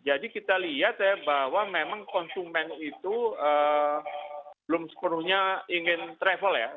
jadi kita lihat ya bahwa memang konsumen itu belum sepenuhnya ingin travel ya